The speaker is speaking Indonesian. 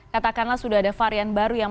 ke kenny masih the same zurpung